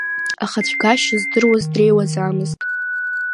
Ахацәгашьа здыруаз дреиуаӡамызт.